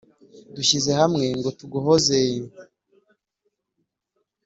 dushyize hamwe ngo tuguhozeee